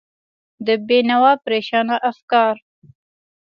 د بېنوا پرېشانه افکار